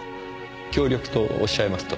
協力とおっしゃいますと？